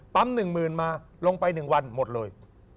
ปั๊ม๑๐๐๐๐มาลงไปหนึ่งวันหมดเลย